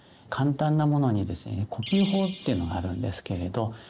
簡単なものにですね呼吸法ってのがあるんですけれど。